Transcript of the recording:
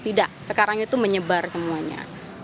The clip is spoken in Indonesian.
tidak sekarang itu menyebar semuanya